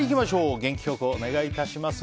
元気良くお願い致します。